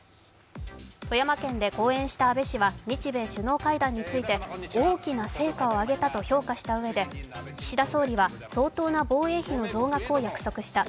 富山県で講演した安倍元総理は大きな成果を上げたと評価したうえで、岸田総理は、相当な防衛費の増額を約束した。